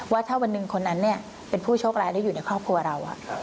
ว่าถ้าวันหนึ่งคนนั้นเป็นผู้โชคร้ายและอยู่ในครอบครัวเรา